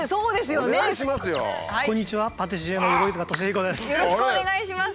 よろしくお願いします。